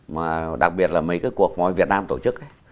mà đặc biệt là mấy cái cuộc mà việt nam tổ chức ấy